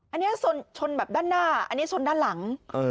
อันนี้ชนแบบด้านหน้าอันนี้ชนด้านหลัง